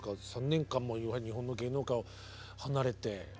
３年間も日本の芸能界を離れて。